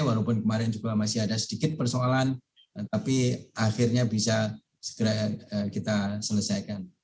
walaupun kemarin juga masih ada sedikit persoalan tapi akhirnya bisa segera kita selesaikan